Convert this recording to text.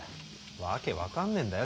訳分かんねえんだよ